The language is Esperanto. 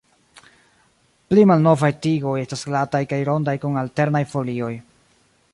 Pli malnovaj tigoj estas glataj kaj rondaj kun alternaj folioj.